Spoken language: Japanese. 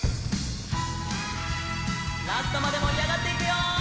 ラストまでもりあがっていくよ！